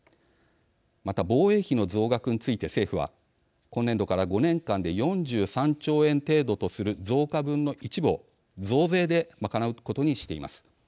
また、防衛費の増額について政府は、今年度から５年間で４３兆円程度とする増加分の一部を増税で賄うことにしています。